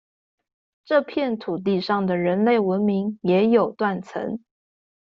這片土地上的人類文明也有「斷層」